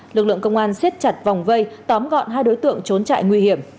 lực lượng công an siết chặt vòng vây tóm gọn hai đối tượng trốn trại nguy hiểm